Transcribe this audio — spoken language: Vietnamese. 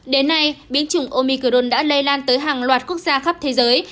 đến nay biến chủng omicron đã lây lan tới hàng loạt quốc gia khắp thế giới